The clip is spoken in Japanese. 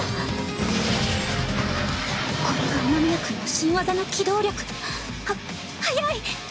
これが雨宮君の新技の機動力。は速い！